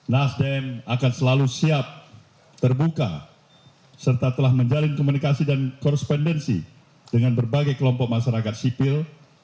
nasdem akan selalu siap terbuka serta telah menjalin komunikasi dan korrespendensi dengan berbagai kelompok masyarakat sipil